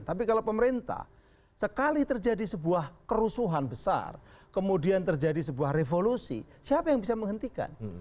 tapi kalau pemerintah sekali terjadi sebuah kerusuhan besar kemudian terjadi sebuah revolusi siapa yang bisa menghentikan